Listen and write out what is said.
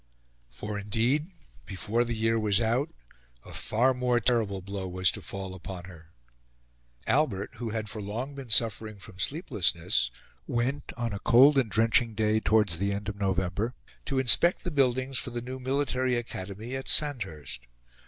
For indeed, before the year was out, a far more terrible blow was to fall upon her. Albert, who had for long been suffering from sleeplessness, went, on a cold and drenching day towards the end of November, to inspect the buildings for the new Military Academy at Sandhurst.